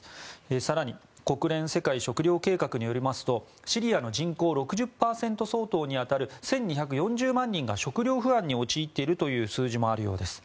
更に国連世界食糧計画によりますとシリアの人口６０％相当に当たる１２４０万人が食料不安に陥っているという数字もあるようです。